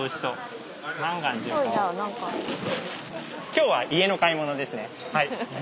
今日は家の買い物ですねはい。